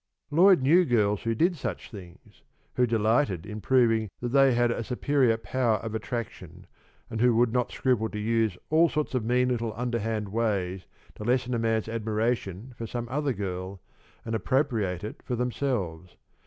Lloyd knew girls who did such things; who delighted in proving that they had a superior power of attraction, and who would not scruple to use all sorts of mean little underhand ways to lessen a man's admiration for some other girl, and appropriate it for themselves.